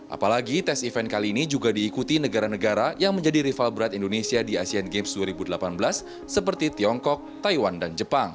apalagi tes event kali ini juga diikuti negara negara yang menjadi rival berat indonesia di asean games dua ribu delapan belas seperti tiongkok taiwan dan jepang